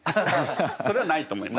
それはないと思います。